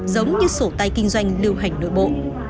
giống như sổ tay kinh doanh lưu hành nội bộ